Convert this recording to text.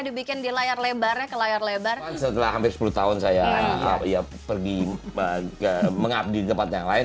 dibikin di layar lebarnya ke layar lebar setelah hampir sepuluh tahun saya pergi mengabdi di tempat yang lain